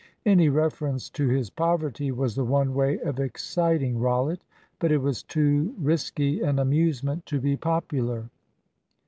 Any reference to his poverty was the one way of exciting Rollitt. But it was too risky an amusement to be popular.